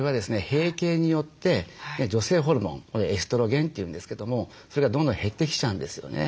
閉経によって女性ホルモンエストロゲンって言うんですけどもそれがどんどん減ってきちゃうんですよね。